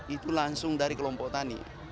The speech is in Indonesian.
itu langsung dari kelompok tani